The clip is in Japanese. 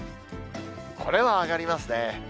これは上がりますね。